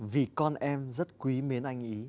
vì con em rất quý mến anh ấy